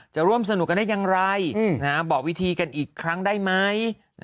จะร่วมสนุกกันได้อย่างไรบอกวิธีกันอีกครั้งได้ไหม